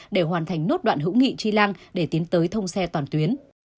để hoàn thành nốt đoạn hữu nghị tri lăng để tiến tới thông xe toàn tuyến